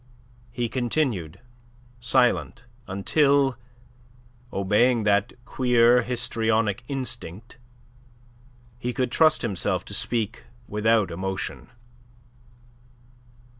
He continued silent until, obeying that queer histrionic instinct, he could trust himself to speak without emotion.